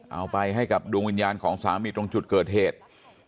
เอาไปให้กับดวงวิญญาณของสามีตรงจุดเกิดเหตุ